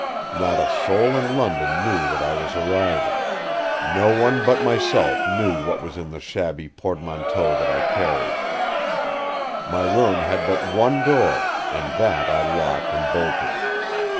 Not a soul in London knew that I was arriving. No one but myself knew what was in the shabby portmanteau that I carried. My room had but one door, and that I locked and bolted.